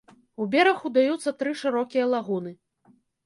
У бераг удаюцца тры шырокія лагуны.